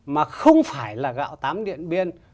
mà không phải là gạo tám điện biên